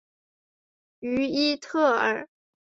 于伊特尔。